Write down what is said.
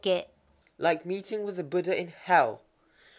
_ Like meeting with a Buddha in hell.